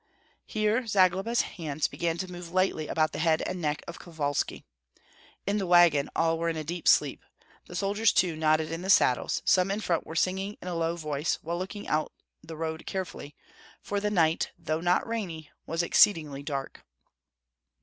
Here Zagloba's hands began to move lightly about the head and neck of Kovalski. In the wagon all were in a deep sleep; the soldiers too nodded in the saddles; some in front were singing in a low voice, while looking out the road carefully, for the night, though not rainy, was exceedingly dark.